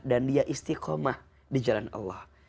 dan dia istiqomah di jalan allah